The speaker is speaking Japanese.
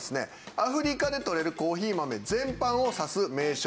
アフリカでとれるコーヒー豆全般を指す名称なんですが。